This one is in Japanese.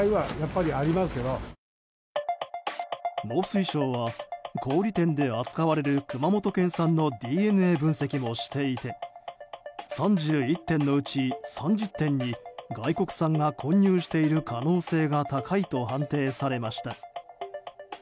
農水省は小売店で扱われる熊本県産のＤＮＡ分析もしていて３１点のうち３０点に外国産が混入している可能性が高いと判定されました。